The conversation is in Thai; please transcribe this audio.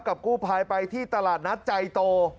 กู้ภัยไปที่ตลาดนัดใจโต